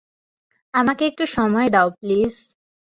আমায় একটু সময় দাও, প্লিজ।